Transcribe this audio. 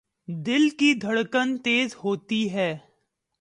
دل کی دھڑکن تیز ہوتی ہے